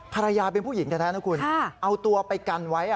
ภรรยาเป็นผู้หญิงแท้นะคุณเอาตัวไปกันไว้